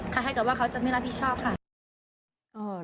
ถ้าเกิดว่าเขาจะไม่รับผิดชอบค่ะ